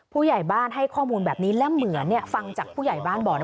ผู้ใหญ่บ้านให้ข้อมูลแบบนี้และเหมือนฟังจากผู้ใหญ่บ้านบอก